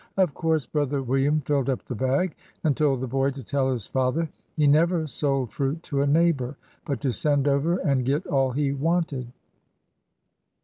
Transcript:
Of course bro ther William filled up the bag, and told the boy to tell his father he never sold fruit to a neighbor, but to send over and get all he wanted.